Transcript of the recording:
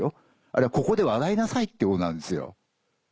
あれはここで笑いなさいってことなんですよ。